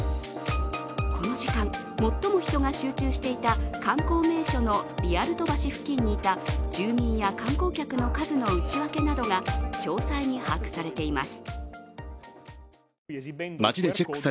この時間、最も人が集中していた観光名所のリアルト橋付近にいた住民や観光客の数の内訳などが詳細に把握されています。